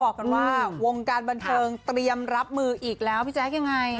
บอกกันว่าวงการบันเทิงเตรียมรับมืออีกแล้วพี่แจ๊คยังไง